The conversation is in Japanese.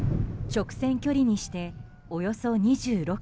直線距離にしておよそ２６ｋｍ。